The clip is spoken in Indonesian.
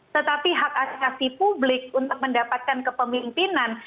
tetapi hak asasi publik untuk mendapatkan kepemimpinan